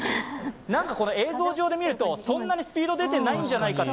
なんか映像上で見るとそんなにスピード出ていないんじゃないかっ